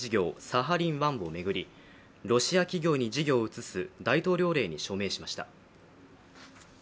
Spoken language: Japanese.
サハリン１を巡りロシア企業に事業を移す大統領令に署名しました。